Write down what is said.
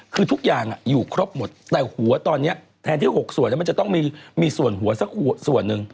คือทุกอย่างอยู่ครบหมดแต่หัวตอนนี้แทนที่๖ส่วนมันจะต้องมีส่วนหัวสักส่วนหนึ่ง